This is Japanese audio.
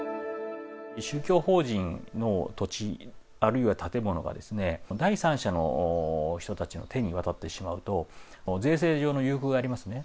宗教法人の土地、あるいは建物が第三者の人たちの手に渡ってしまうと、税制上の優遇がありますね。